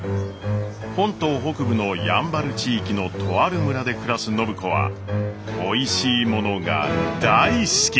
本島北部のやんばる地域のとある村で暮らす暢子はおいしいものが大好き。